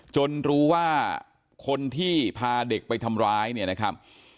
รู้ว่าคนที่พาเด็กไปทำร้ายเนี่ยนะครับ